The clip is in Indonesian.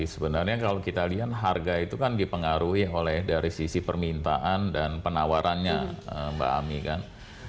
sebenarnya kalau kita lihat harga itu kan dipengaruhi oleh dari sisi permintaan dan penawarannya mbak ami kan